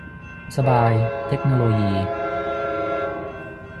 สบาย เทคโนโลยี